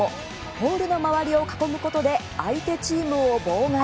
ポールの周りを囲むことで相手チームを妨害。